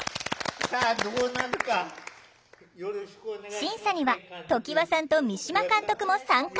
審査には常盤さんと三島監督も参加